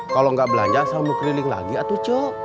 kalo ga belanja saya mau keliling lagi atu cu